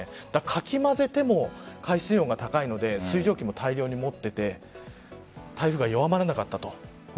かきまぜても海水温が高いので水蒸気も大量に持っていて台風が弱まらなかったと。